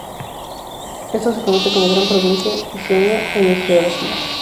Esto se conoce como gran provincia ígnea en geología.